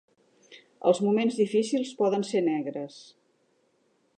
Els moments difícils poden ser negres.